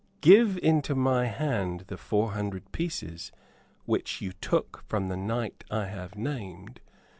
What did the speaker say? Give into my hand the four hundred pieces which you took from the knight I have named.